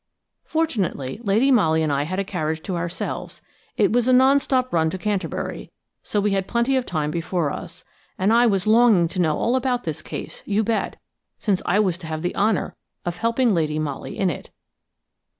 Fortunately Lady Molly and I had a carriage to ourselves. It was a non stop run to Canterbury, so we had plenty of time before us, and I was longing to know all about this case, you bet, since I was to have the honour of helping Lady Molly in it.